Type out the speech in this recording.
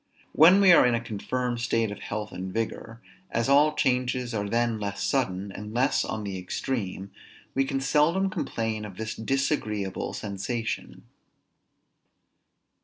When we are in a confirmed state of health and vigor, as all changes are then less sudden, and less on the extreme, we can seldom complain of this disagreeable sensation.